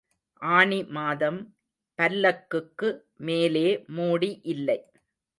ஆனி மாதம், பல்லக்குக்கு மேலே மூடி இல்லை.